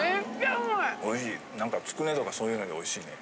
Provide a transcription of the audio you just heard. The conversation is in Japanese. なんかつくねとかそういうのよりおいしいね。